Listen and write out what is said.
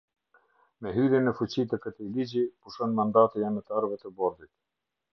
Me hyrjen në fuqi të këtij ligji, pushon mandati i anëtarëve të Bordit.